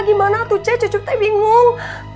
gimana tuh ce cucu teh bingung